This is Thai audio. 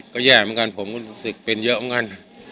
ก็แย่เหมือนกันผมเป็นเยอะเหมือนกัน